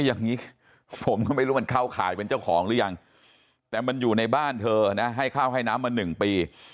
อย่างนี้ผมก็ไม่รู้มันเข้าข่ายเป็นเจ้าของหรือยังแต่มันอยู่ในบ้านเธอนะให้ข้าวให้น้ำมา๑ปี